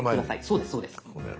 そうですそうです。